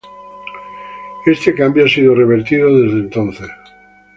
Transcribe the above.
Este cambio ha sido revertido desde entonces.